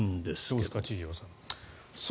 どうですか、千々岩さん。